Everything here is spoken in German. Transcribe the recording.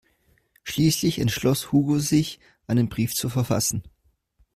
Schließlich entschloss Hugo sich, einen Brief zu verfassen.